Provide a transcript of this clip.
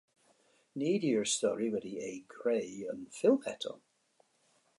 Nid yw'r stori wedi ei greu'n ffilm eto.